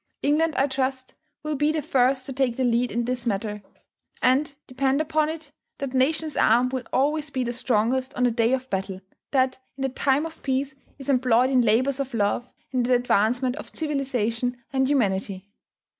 England, I trust, will be the first to take the lead in this matter; and, depend upon it, that nation's arm will always be the strongest on the day of battle, that, in the time of peace, is employed in labours of love, and in the advancement of civilization and humanity.